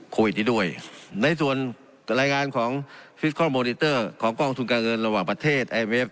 โควิดนี้ด้วยในส่วนรายงานของของกล้องสูญการเงินระหว่างประเทศ